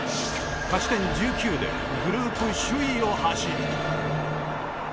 勝ち点１９でグループ首位を走る。